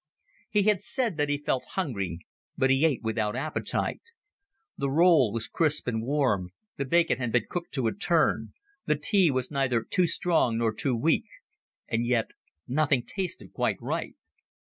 He had said that he felt hungry, but he ate without appetite. The roll was crisp and warm, the bacon had been cooked to a turn, the tea was neither too strong nor too weak; and yet nothing tasted quite right.